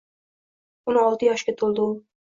O‘n olti yoshga toʻldi u